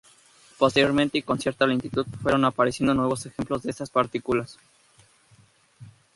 Posteriormente, y con cierta lentitud, fueron apareciendo nuevos ejemplos de estas "Partículas V".